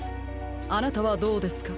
あなたはどうですか？